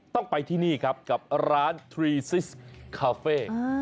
ต้องไปที่นี่ครับกับร้านทรีซิสคาเฟ่